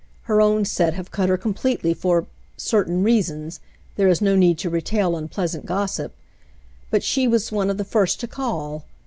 Her own set have cut her completely for — certain reasons — there is no need to retail unpleasant gossip, — but she was one of the first to call.